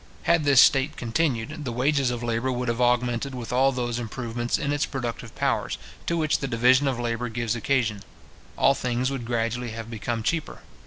Had this state continued, the wages of labour would have augmented with all those improvements in its productive powers, to which the division of labour gives occasion. All things would gradually have become cheaper.